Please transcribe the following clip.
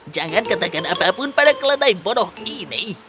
jangan katakan apapun pada keledai bodoh ini